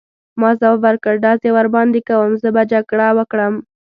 ما ځواب ورکړ: ډزې ورباندې کوم، زه به جګړه وکړم.